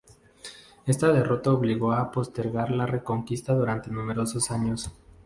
Esta derrota obligó a postergar la Reconquista durante numerosos años.